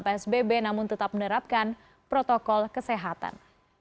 psbb namun tetap menerapkan protokol kesehatan